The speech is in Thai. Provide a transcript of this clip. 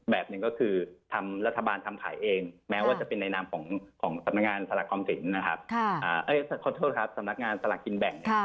แบบหนึ่งก็คือทำรัฐบาลทำขายเองแม้ว่าจะเป็นในนามของสำนักงานสลักกินแบ่ง